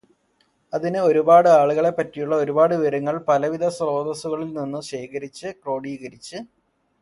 അതിന് ഒരുപാട് ആളുകളെ പറ്റിയുള്ള ഒരുപാട് വിവരങ്ങൾ പലവിധ സ്രോതസ്സുകളിൽ നിന്നും ശേഖരിച്ച്, ക്രോഡീകരിച്ച്